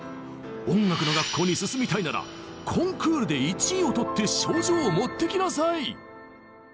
音楽の学校に進みたいならコンクールで１位を取って賞状を持ってきなさい！